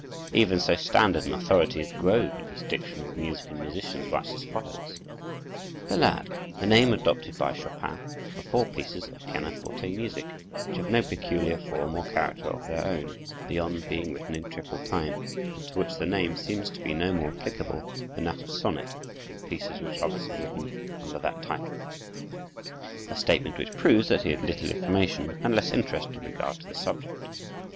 Even so standard an authority as Grove, in his "Dictionary of Music and Musicians," writes as follows: "Ballade, a name adopted by Chopin for four pieces of pianoforte music, which have no peculiar form or character of their own, beyond being written in triple time, and to which the name seems to be no more applicable than that of sonnet to the pieces which others have written under that title"—a statement which proves that he had little information and less interest in regard to the subject.